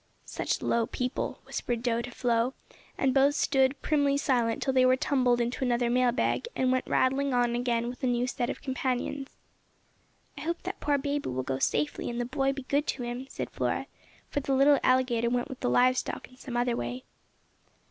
"Such low people!" whispered Do to Flo, and both stood primly silent till they were tumbled into another mail bag, and went rattling on again with a new set of companions. "I hope that poor baby will go safely and the boy be good to him," said Flora, for the little alligator went with the live stock in some other way.